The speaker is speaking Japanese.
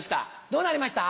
どうなりました？